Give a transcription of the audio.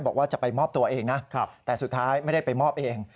บอกว่าจะไปมอบตัวเองนะแต่สุดท้ายไม่ได้ไปมอบเอง